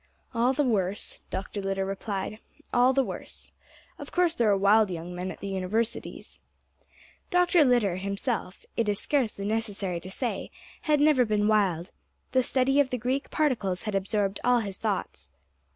"All the worse," Dr. Litter replied, "all the worse. Of course there are wild young men at the Universities." Dr. Litter himself, it is scarcely necessary to say, had never been wild, the study of the Greek particles had absorbed all his thoughts.